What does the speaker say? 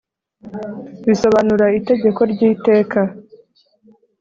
bisobanura itegeko ry’iteka.